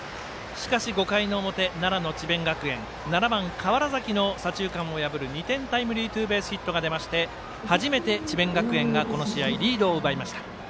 しかし、５回の表奈良の智弁学園７番、川原崎の左中間を破る２点タイムリーツーベースヒットがあって初めて智弁学園がこの試合、リードを奪いました。